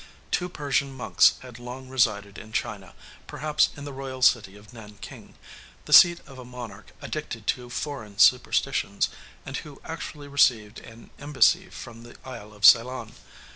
Two Persian monks had long resided in China, perhaps in the royal city of Nankin, the seat of a monarch addicted to foreign superstitions, and who actually received an embassy from the Isle of Ceylon.